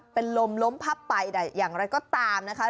เป็นลมล้มพับไปแต่อย่างไรก็ตามนะคะ